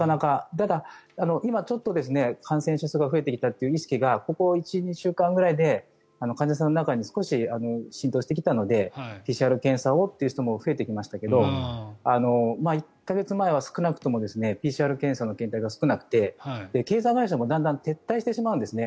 ただ、今ちょっと感染者数が増えてきたという意識がここ１２週間ぐらいで患者さんの中に少し浸透してきたのでＰＣＲ検査をという人も増えてきましたけど１か月前は少なくともＰＣＲ検査の検体が少なくて検査会社もだんだん撤退してきちゃうんですね。